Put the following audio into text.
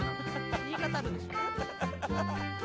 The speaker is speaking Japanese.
言い方あるでしょ。